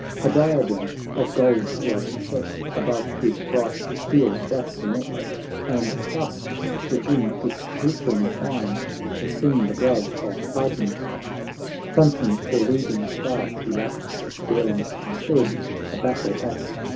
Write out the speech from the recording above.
A diadem of gold was set Above his bright steel basinet, And clasped within its glittering twine Was seen the glove of Argentine ; Truncheon or leading staff he lacks, Bearing, instead, a battle axe.